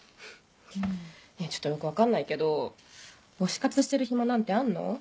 ちょっとよく分かんないけど推し活してる暇なんてあんの？